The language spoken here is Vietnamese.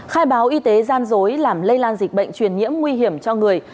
khai báo y tế gian dối làm lây lan dịch bệnh truyền nhiễm nguy hiểm cho người